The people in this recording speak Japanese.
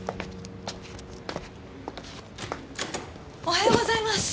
おはようございます。